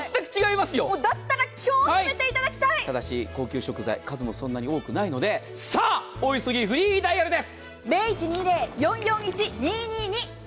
だったら今日、決めていただきたいただし高級食材、数もそんなに多くないのでさあ、お急ぎフリーダイヤルです！